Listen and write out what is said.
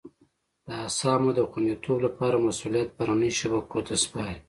د اسهامو د خوندیتوب لپاره مسولیت بهرنیو شبکو ته سپاري.